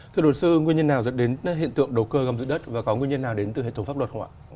thưa luật sư nguyên nhân nào dẫn đến hiện tượng đầu cơ gâm giữ đất và có nguyên nhân nào đến từ hệ thống pháp luật không ạ